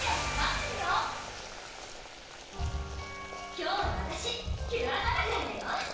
今日はわたしキュアバタフライだよ！